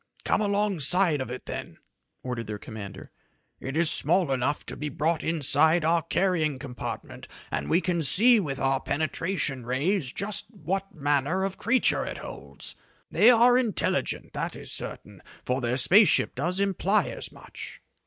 "Come alongside of it then," ordered their commander. "It is small enough to be brought inside our carrying compartment, and we can see with our penetration rays just what manner of creatures it holds. They are intelligent, that is certain, for their space ship does imply as much."